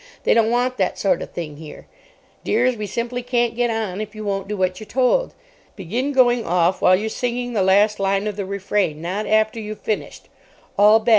They don't want that sort of thing here—Dears, we simply can't get on if you won't do what you're told. Begin going off while you're singing the last line of the refrain, not after you've finished. All back.